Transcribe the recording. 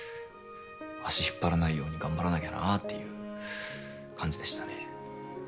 足引っ張らないように頑張らなきゃなっていう感じでしたね。